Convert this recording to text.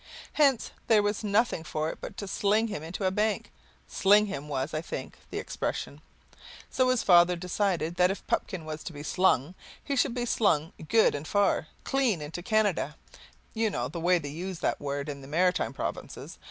Hence there was nothing for it but to sling him into a bank; "sling him" was, I think, the expression. So his father decided that if Pupkin was to be slung, he should be slung good and far clean into Canada (you know the way they use that word in the Maritime Provinces).